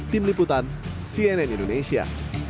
tim liputan cnn indonesia